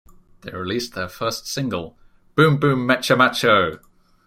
They released their first single, Boom Boom Meccha Maccho!